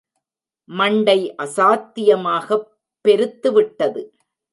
மண்டை அசாத்தியமாகப் பெருத்துவிட்டது.